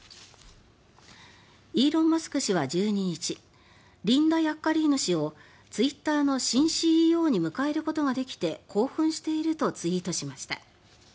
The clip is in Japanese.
イーロン・マスク氏は１２日リンダ・ヤッカリーノ氏をツイッターの新ＣＥＯに迎えることができて興奮しているとツイートしました。